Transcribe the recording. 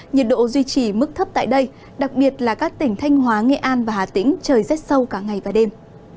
nhiệt độ duy trì mức thấp tại đây đặc biệt là các tỉnh thanh hóa nghệ an và hà tĩnh trời rét sâu cả ngày và đêm